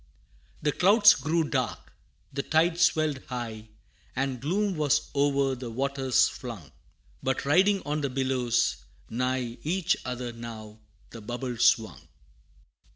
The clouds grew dark, the tide swelled high, And gloom was o'er the waters flung, But riding on the billows, nigh Each other now the bubbles swung.